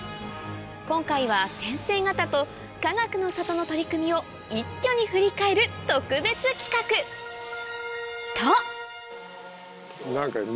今回は先生方とかがくの里の取り組みを一挙に振り返る特別企画と何か。